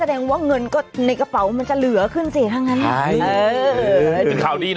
แสดงว่าเงินก็ในกระเป๋ามันจะเหลือขึ้นสิทั้งนั้น